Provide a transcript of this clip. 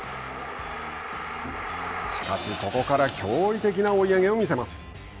しかし、ここから驚異的な追い上げを見せます。